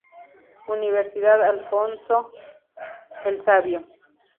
Universidad Alfonso X el Sabio.